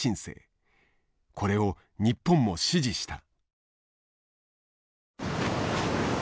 これを日本も支持した。